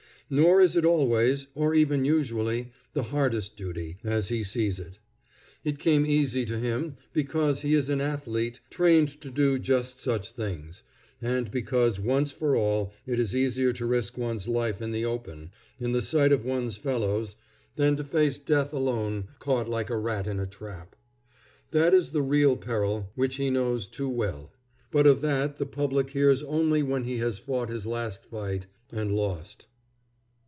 Nor is it always, or even usually, the hardest duty, as he sees it. It came easy to him because he is an athlete trained to do just such things, and because once for all it is easier to risk one's life in the open, in the sight of one's fellows, than to face death alone, caught like a rat in a trap. That is the real peril which he knows too well; but of that the public hears only when he has fought his last fight, and lost.